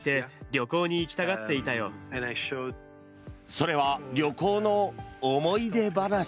それは旅行の思い出話。